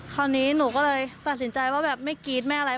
คราวนี้หนูก็เลยตัดสินใจว่าแบบไม่กรี๊ดไม่อะไร